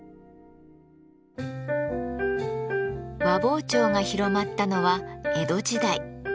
和包丁が広まったのは江戸時代。